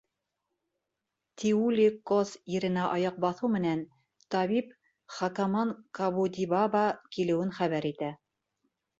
Тиули-Кос еренә аяҡ баҫыу менән, табип Хакаманкабудибаба килеүен хәбәр итә.